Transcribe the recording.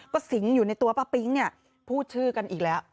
สิงห์อยู่ในตัวป้าปิ๊งเนี่ยพูดชื่อกันอีกแล้ว